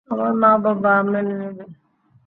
আর মা-বাবা মেনে নিবে?